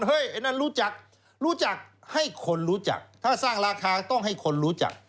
ไอ้นั่นรู้จักรู้จักให้คนรู้จักถ้าสร้างราคาต้องให้คนรู้จัก